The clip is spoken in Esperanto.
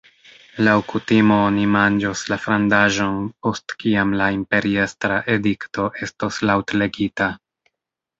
Laŭ kutimo oni manĝos la frandaĵon post kiam la imperiestra edikto estos laŭtlegita.